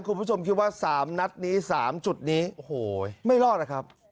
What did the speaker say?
คุณผู้ชมคิดว่า๓นัดนี้๓จุดนี้โอ้โหไม่รอดนะครับ